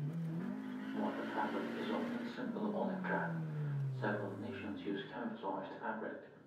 While the fabric is often simple olive drab, several nations use camouflaged fabric.